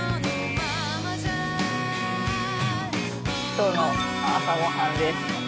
今日の朝ご飯です。